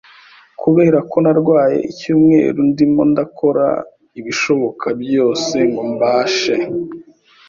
Kubera ko narwaye icyumweru, ndimo ndakora ibishoboka byose ngo mbashe.